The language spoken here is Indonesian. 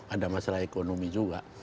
ada masalah ekonomi juga